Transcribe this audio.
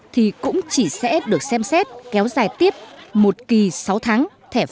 thì cũng chỉ sẽ được xem xét kéo dài tiếp một kỳ sáu tháng